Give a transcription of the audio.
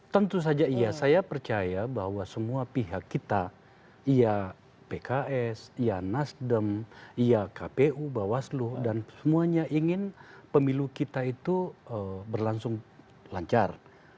tentu saja iya saya percaya bahwa semua pihak kita iya pks ia nasdem iya kpu bawaslu dan semuanya ingin pemilu kita itu berlangsung lancar